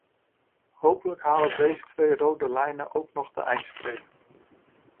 Hopelijk halen deze twee rode lijnen ook nog de eindstreep.